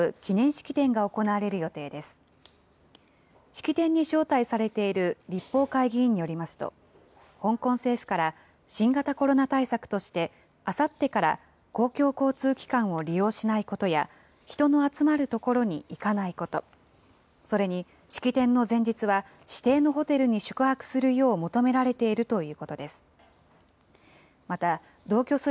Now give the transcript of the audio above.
式典に招待されている立法会議員によりますと、香港政府から新型コロナ対策として、あさってから公共交通機関を利用しないことや、人の集まる所に行かないこと、それに式典の前日は、指定のホテルに宿泊するよう求められているということです。